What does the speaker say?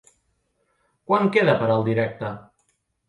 Quant queda, per al directe?